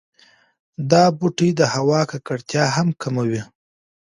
دا بوټي د هوا ککړتیا هم کموي.